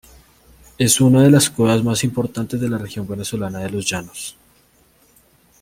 Es una de las cuevas más importantes de la región venezolana de los Llanos.